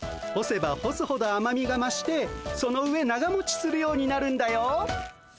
干せば干すほどあまみがましてその上長もちするようになるんだよ。